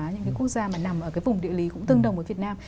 những quốc gia nằm ở vùng địa lý cũng tương đồng với việt nam